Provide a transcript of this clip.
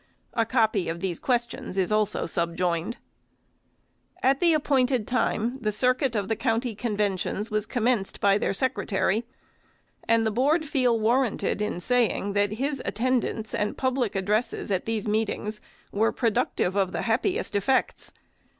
A copy of these questions is also sub joined. At the appointed time, the circuit of the county con ventions was commenced by their Secretary, and the Board feel warranted in saying, that his attendance and public addresses at these meetings were productive of the happiest effects.